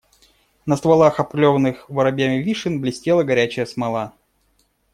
На стволах обклеванных воробьями вишен блестела горячая смола.